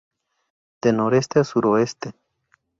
De noreste a suroeste